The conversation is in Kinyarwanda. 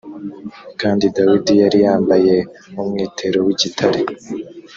kandi dawidi yari yambaye umwitero w’igitare